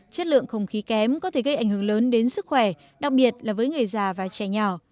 chất lượng không khí kém có thể gây ảnh hưởng lớn đến sức khỏe đặc biệt là với người già và trẻ nhỏ